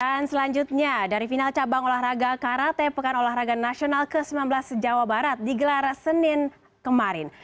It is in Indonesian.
dan selanjutnya dari final cabang olahraga karate pekan olahraga nasional ke sembilan belas jawa barat digelar senin kemarin